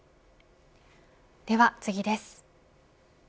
では次です。